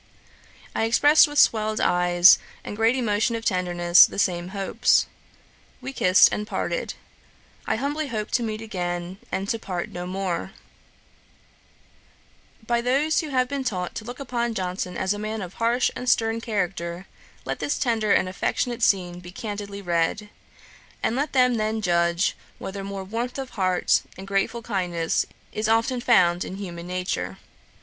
I expressed, with swelled eyes, and great emotion of tenderness, the same hopes. We kissed, and parted. I humbly hope to meet again, and to part no more.' By those who have been taught to look upon Johnson as a man of a harsh and stern character, let this tender and affectionate scene be candidly read; and let them then judge whether more warmth of heart, and grateful kindness, is often found in human nature.